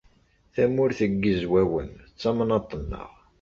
Tamurt n Yizwawen d tamnaḍt-nneɣ.